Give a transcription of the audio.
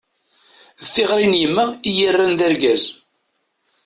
D tiɣri n yemma, i yi-erran d argaz.